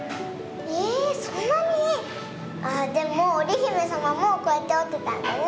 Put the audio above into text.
ええっそんなに⁉ああでもおりひめさまもこうやっておってたんだね！